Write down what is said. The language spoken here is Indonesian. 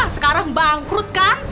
sekarang bangkrut kan